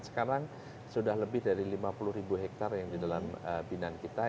sekarang sudah lebih dari lima puluh ribu hektare yang di dalam binaan kita